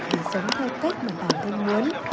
để sống theo cách mà bạn thân muốn